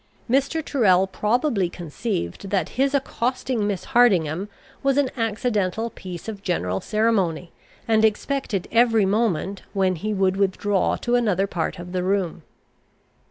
Mr. Tyrrel probably conceived that his accosting Miss Hardingham was an accidental piece of general ceremony, and expected every moment when he would withdraw to another part of the room.